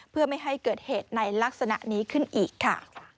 เพื่อไม่ให้เกิดเหตุในลักษณะนี้ขึ้นอีกค่ะ